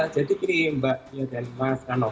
jadi ini mbak mia dan mas anok